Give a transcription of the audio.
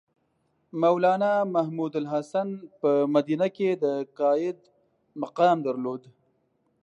مولنا محمودالحسن په مدینه کې د قاید مقام درلود.